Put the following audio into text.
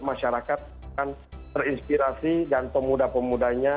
masyarakat akan terinspirasi dan pemuda pemudanya